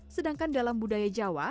sedangkan dalam budaya jawa